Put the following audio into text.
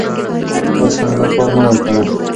کاشکې مې دا کار نه وای کړی.